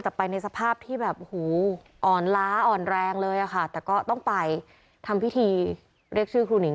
แต่ไปในสภาพที่แบบหูอ่อนล้าอ่อนแรงเลยอะค่ะแต่ก็ต้องไปทำพิธีเรียกชื่อครูหนิง